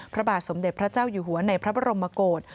พระบาทสมเด็จพระเจ้าอยู่หัวในพระบรมโกศ